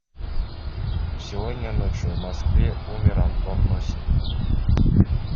Сегодня ночью в Москве умер Антон Носик.